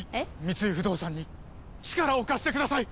三井不動産に力を貸してください！